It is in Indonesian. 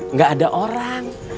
nggak ada orang